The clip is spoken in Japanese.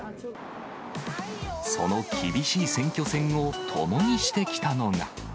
その厳しい選挙戦を共にしてきたのが。